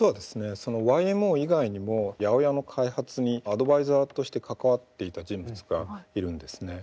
そのＹＭＯ以外にも８０８の開発にアドバイザーとして関わっていた人物がいるんですね。